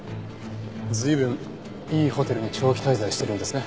随分いいホテルに長期滞在してるんですね。